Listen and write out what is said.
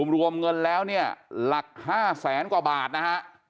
รวมเงินแล้วเนี่ยหลัก๕แสนกว่าบาทนะฮะ